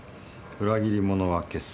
裏切り者は消す。